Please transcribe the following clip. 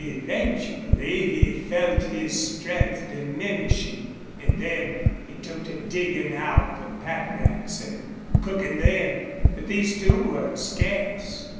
Eventually he felt his strength diminishing, and then he took to digging out the pack rats and cooking them. But these, too, were scarce.